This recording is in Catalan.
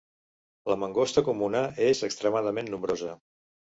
La mangosta comuna és extremadament nombrosa.